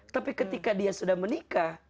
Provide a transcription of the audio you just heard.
tapi ketika dia sudah menikah